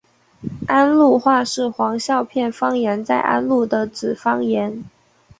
安陆话是黄孝片方言在安陆的子方言。